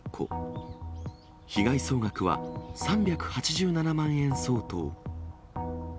被害総額は３８７万円相当。